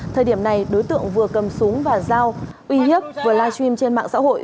thời điểm này đối tượng vừa cầm súng và dao uy hiếp vừa live stream trên mạng xã hội